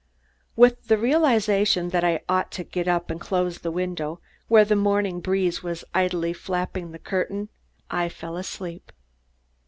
With the realization that I ought to get up and close the window, where the morning breeze was idly flapping the curtain, I fell asleep.